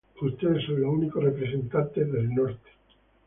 Ustedes son los únicos representantes del norte.